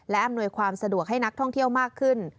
และอำนวยความสะดวกให้นักท่องเที่ยวมากขึ้น